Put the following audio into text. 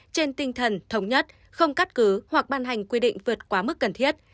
trên tinh thần thống nhất không cắt cứ hoặc ban hành quy định vượt quá mức cần thiết